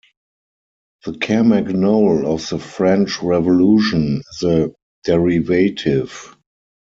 The carmagnole of the French Revolution is a derivative.